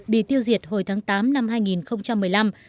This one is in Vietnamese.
bị tiêu diệt hồi tháng tám năm hai nghìn một mươi năm